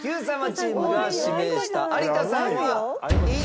チームが指名した有田さんは１位。